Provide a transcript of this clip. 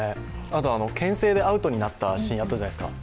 けん制でアウトになったシーンあったじゃないですか。